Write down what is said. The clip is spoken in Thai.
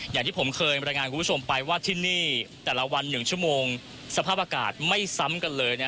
อย่างที่ผมเคยบรรยายงานคุณผู้ชมไปว่าที่นี่แต่ละวัน๑ชั่วโมงสภาพอากาศไม่ซ้ำกันเลยนะ